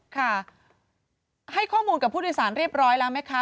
ค่ะให้ข้อมูลกับผู้โดยสารเรียบร้อยแล้วไหมคะ